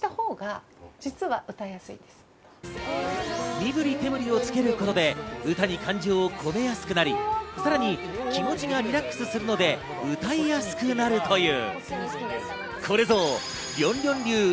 身ぶり手ぶりをつけることで歌に感情を込めやすくなり、さらに気持ちがリラックスするので歌いやすくなるという。